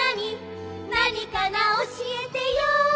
「なにかな？教えてよ！」